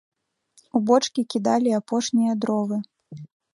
У бочкі кідалі апошнія дровы.